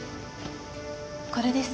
これです。